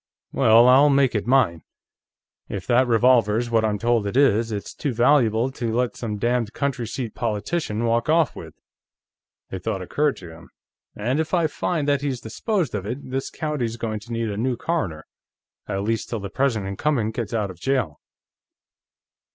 "Well, I'll make it mine. If that revolver's what I'm told it is, it's too valuable to let some damned county seat politician walk off with." A thought occurred to him. "And if I find that he's disposed of it, this county's going to need a new coroner, at least till the present incumbent gets out of jail."